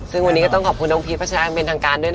ซึ่งวันนี้ก็ต้องขอบคุณน้องพีชพัชรายังเป็นทางการด้วยนะ